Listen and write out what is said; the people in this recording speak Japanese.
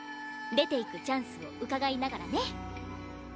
出て行くチャンスをうかがいながらね。